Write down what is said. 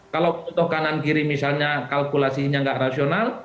kalau butuh kanan kiri misalnya kalkulasinya nggak rasional